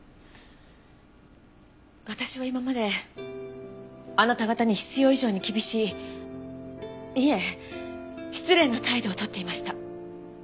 私は今まであなた方に必要以上に厳しいいえ失礼な態度を取っていました。